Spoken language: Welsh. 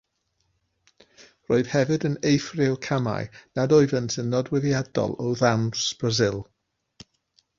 Roedd hefyd yn eithrio camau nad oeddent yn nodweddiadol o ddawns Brasil.